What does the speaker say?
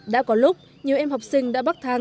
đã có lúc nhiều em học sinh đã bắt thang